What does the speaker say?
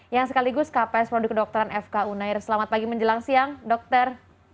yang sekaligus kps produk kedokteran fku nair selamat pagi menjelang siang dokter